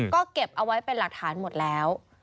ก็เก็บเอาไว้เป็นหลักฐานหมดแล้ว